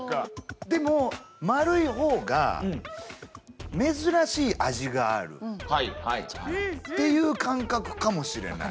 でも丸い方が珍しい味があるっていう感覚かもしれない。